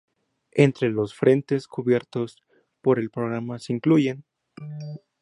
Entre los frentes cubiertos por el programa se incluyen